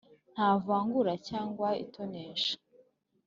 nta vangura cyangwa itonesha.